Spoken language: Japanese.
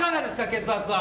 血圧は。